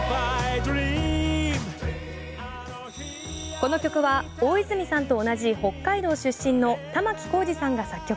この曲は大泉さんと同じ北海道出身の玉置浩二さんが作曲。